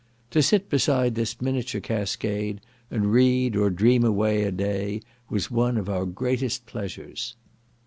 To sit beside this miniature cascade, and read, or dream away a day, was one of our greatest pleasures.